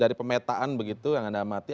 dari pemetaan begitu yang anda amati